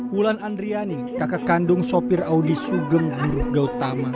wulan andriani kakak kandung sopir audi sugeng buruh gautama